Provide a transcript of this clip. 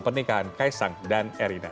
pernikahan kaisang dan erina